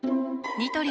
ニトリ